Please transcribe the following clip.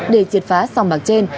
để triệt phá xong bạc trên